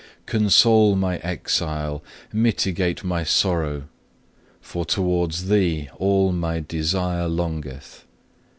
4. Console my exile, mitigate my sorrow, for towards Thee all my desire longeth.